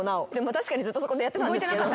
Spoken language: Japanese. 確かにずっとそこでやってたんですけど。